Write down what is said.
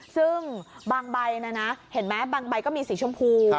ซึ่งบางใบนะนะเห็นไหมบางใบก็มีสีชมพู